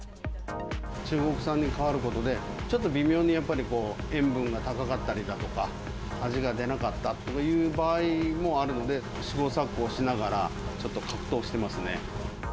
中国産に変わることで、ちょっと微妙にやっぱり塩分が高かったりだとか、味が出なかったという場合もあるので、試行錯誤しながらちょっと葛藤してますね。